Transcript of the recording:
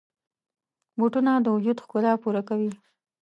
بوټونه د وجود ښکلا پوره کوي.